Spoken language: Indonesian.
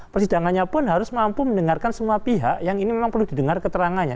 persidangannya pun harus mampu mendengarkan semua pihak yang ini memang perlu didengar keterangannya